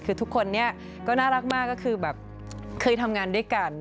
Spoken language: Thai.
คือทุกคนเนี่ยก็น่ารักมากก็คือแบบเคยทำงานด้วยกัน